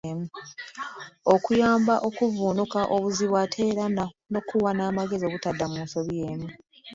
Akuyamba okuvvuunuka obuzibu ate era nakuwa n’amagezi obutadda mu nsobi yeemu.